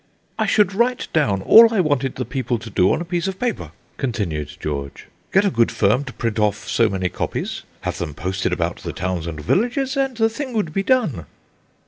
"I should write down all I wanted the people to do on a piece of paper," continued George; "get a good firm to print off so many copies, have them posted about the towns and villages; and the thing would be done."